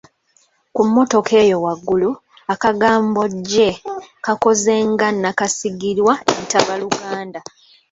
Ku mmotoka eyo waggulu, akagambo "gye" kakoze nga nakasigirwa entabaluganda.